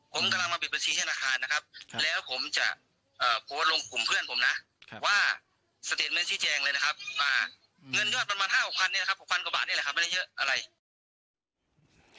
ผมกำลังมาปิดบัญชีที่นาคารนะครับแล้วผมจะโปรดลงกลุ่มเพื่อนผมนะ